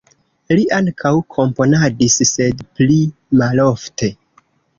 Li ankaŭ komponadis, sed pli malofte.